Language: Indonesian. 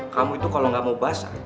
kamu itu kalau gak mau basah